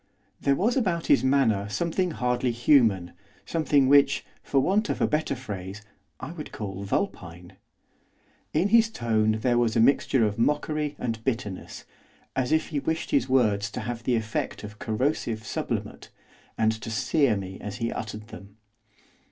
There was about his manner something hardly human; something which, for want of a better phrase, I would call vulpine. In his tone there was a mixture of mockery and bitterness, as if he wished his words to have the effect of corrosive sublimate, and to sear me as he uttered them.